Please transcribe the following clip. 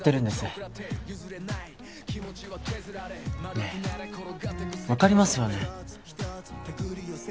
ねえわかりますよね？